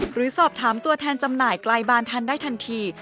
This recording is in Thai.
หรือสอบถามตัวแทนจำหน่ายไกลบานทันได้ทันที